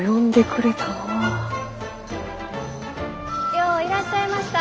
よういらっしゃいました。